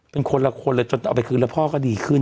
เป็นคนละคนเลยจนเอาไปคืนแล้วพ่อก็ดีขึ้น